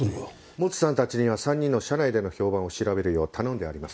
モツさんたちには３人の社内での評判を調べるよう頼んであります。